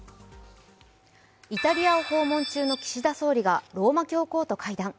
イタリアを訪問中の岸田総理がローマ教皇と会談。